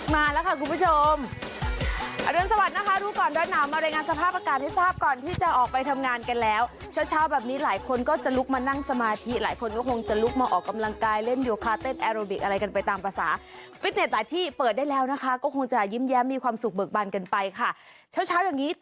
มาแล้วค่ะคุณผู้ชมอรุณสวัสดินะคะรู้ก่อนร้อนหนาวมารายงานสภาพอากาศให้ทราบก่อนที่จะออกไปทำงานกันแล้วเช้าเช้าแบบนี้หลายคนก็จะลุกมานั่งสมาธิหลายคนก็คงจะลุกมาออกกำลังกายเล่นโยคาเต้นแอโรบิกอะไรกันไปตามภาษาฟิตเน็ตหลายที่เปิดได้แล้วนะคะก็คงจะยิ้มแย้มมีความสุขเบิกบันกันไปค่ะเช้าเช้าอย่างงี้